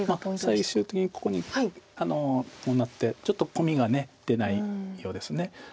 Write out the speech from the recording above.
まあ最終的にここにこうなってちょっとコミが出ないようです。